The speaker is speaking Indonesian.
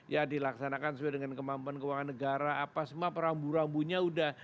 ya dilaksanakan sesuai dengan kemampuan keuangan negara apa semua perambu rambunya udah